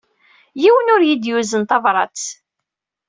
Yiwen ur yi-d-yuzen tabrat.